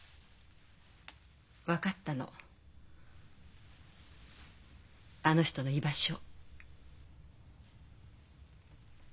分かったのあの人の居場所。